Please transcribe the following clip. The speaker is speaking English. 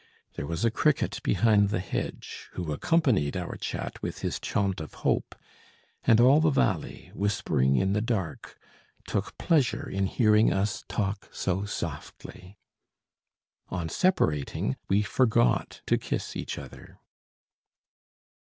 There was a cricket behind the hedge, who accompanied our chat with his chaunt of hope, and all the valley, whispering in the dark, took pleasure in hearing us talk so softly. On separating we forgot to kiss each other.